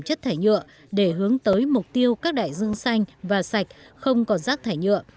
chất thải nhựa để hướng tới mục tiêu các đại dương xanh và sạch không còn rác thải nhựa